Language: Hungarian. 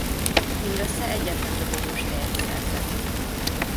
Mindössze egyetlen dobogós helyet szerzett.